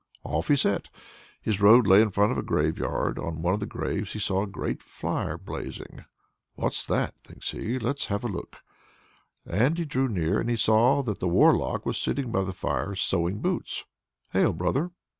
Off he set. His road lay in front of a graveyard. On one of the graves he saw a great fire blazing. "What's that?" thinks he. "Let's have a look." When he drew near, he saw that the Warlock was sitting by the fire, sewing boots. "Hail, brother!"